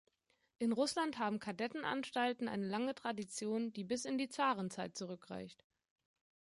In Russland haben Kadettenanstalten eine lange Tradition, die bis in die Zarenzeit zurückreicht.